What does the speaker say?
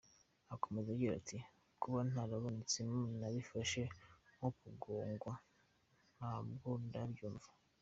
Akomeza agira ati "Kuba ntarabonetsemo nabifashe nko kugongwa, ntabwo ndabyumva".